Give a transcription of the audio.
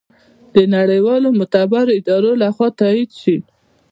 د نړیوالو معتبرو ادارو لخوا تائید شي